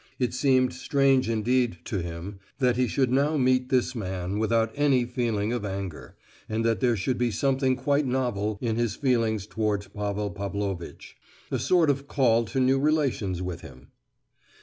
It seemed strange indeed to him that he should now meet this man without any feeling of anger, and that there should be something quite novel in his feelings towards Pavel Pavlovitch—a sort of call to new relations with him.